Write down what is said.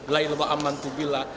la ilaha amantu bila